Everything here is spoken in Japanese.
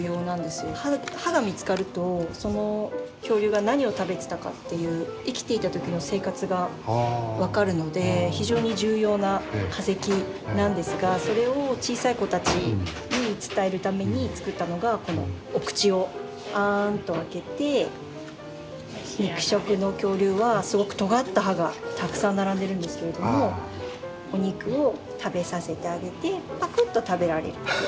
歯が見つかるとその恐竜が何を食べてたかという生きていた時の生活が分かるので非常に重要な化石なんですがそれを小さい子たちに伝えるために作ったのがこのお口をあんと開けて肉食の恐竜はすごくとがった歯がたくさん並んでるんですけれどもお肉を食べさせてあげてぱくっと食べられる。